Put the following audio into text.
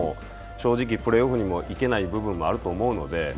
正直プレーオフにも行けない部分もあると思うので。